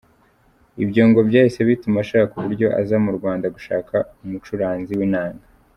Ibyo ngo byahise bituma ashaka uburyo aza mu Rwanda gushaka umucuranzi w’inanga.